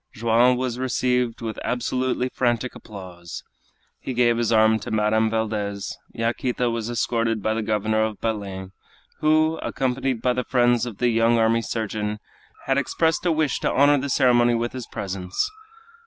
Joam was received with absolutely frantic applause. He gave his arm to Madame Valdez; Yaquita was escorted by the governor of Belem, who, accompanied by the friends of the young army surgeon, had expressed a wish to honor the ceremony with his presence.